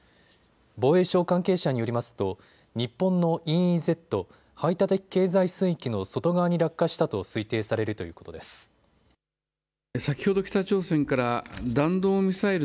防衛省関係者によりますと日本のＥＥＺ・排他的経済水域の外側に落下したと推定されるということです。